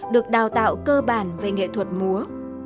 được đào tạo cơ bản về nghệ thuật múa